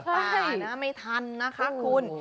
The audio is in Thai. ไก่ปลานะไม่ทันนะคะคุณ